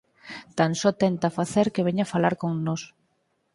Tan só tenta facer que veña falar con nós.